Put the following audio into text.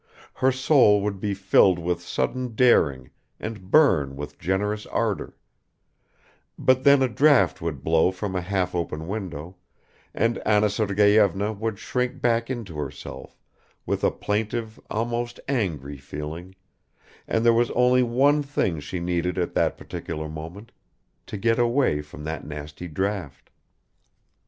. her soul would be filled with sudden daring and burn with generous ardor; but then a draught would blow from a half open window and Anna Sergeyevna would shrink back into herself with a plaintive, almost angry feeling, and there was only one thing she needed at that particular moment to get away from that nasty draught.